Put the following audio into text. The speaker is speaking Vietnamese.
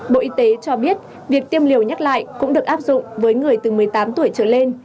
bộ y tế cho biết việc tiêm liều nhắc lại cũng được áp dụng với người từ một mươi tám tuổi trở lên